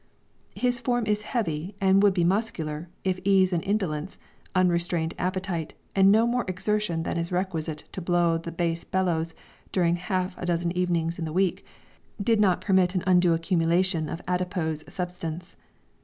His form is heavy, and would be muscular, if ease and indolence, unrestrained appetite, and no more exertion than is requisite to blow the bass bellows during half a dozen evenings in the week, did not permit an undue accumulation of adipose substance.